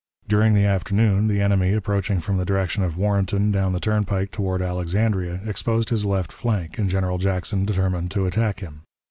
During the afternoon the enemy, approaching from the direction of Warrenton down the turnpike toward Alexandria, exposed his left flank, and General Jackson determined to attack him.